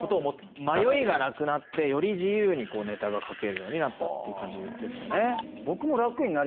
迷いがなくなってより自由にネタが書けるようになった感じですかね。